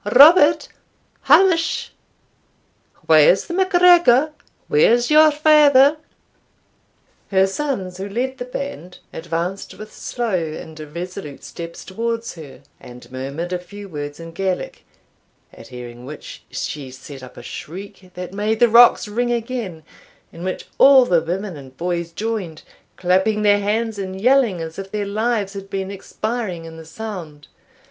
Robert Hamish where's the MacGregor? where's your father?" Her sons, who led the band, advanced with slow and irresolute steps towards her, and murmured a few words in Gaelic, at hearing which she set up a shriek that made the rocks ring again, in which all the women and boys joined, clapping their hands and yelling as if their lives had been expiring in the sound.